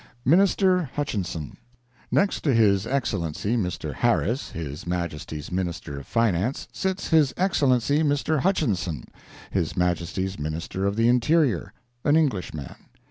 MINISTER HUTCHINSON Next to His Excellency Mr. Harris, His Majesty's Minister of Finance, sits His Excellency Mr. Hutchinson, His Majesty's Minister of the Interior—an Englishman.